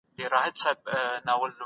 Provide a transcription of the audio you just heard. سندرې د تنفسي عضلاتو فعالیت ښه کوي.